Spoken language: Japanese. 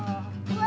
うわ！